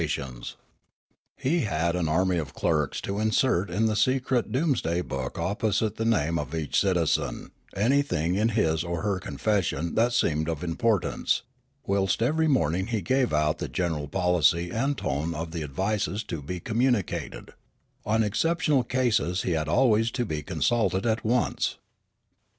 The Church and Journalism 93 He had an army of clerks to insert in the secret dooms day book opposite the name of each citizen anything in his or her confession that seemed of importance, whilst every morning he gave out the general policy and tone of the advices to be communicated ; on ex ceptional cases he had always to be consulted at once.